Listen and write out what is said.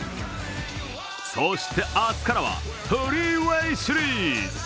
そして、明日からはフリーウェイシリーズ。